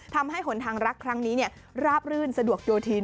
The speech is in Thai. หนทางรักครั้งนี้ราบรื่นสะดวกโยธิน